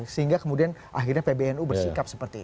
sehingga kemudian akhirnya pbnu bersikap seperti itu